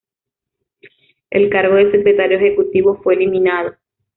El cargo de secretario ejecutivo fue eliminado.